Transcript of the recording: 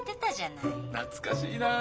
懐かしいなぁ。